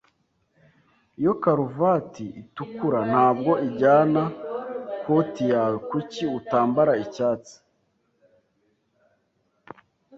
Iyo karuvati itukura ntabwo ijyana na koti yawe. Kuki utambara icyatsi?